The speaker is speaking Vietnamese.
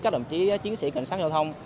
các đồng chí chiến sĩ cảnh sát giao thông